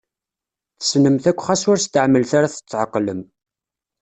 Tessnem-t akk xas ur steɛmalet ara tetɛeqlem